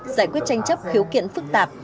giải quyết tranh chấp khiếu kiện phức tạp